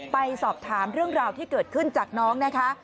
ไปสอบถามเรื่องราวที่เกิดขึ้นจากน้องนะคะ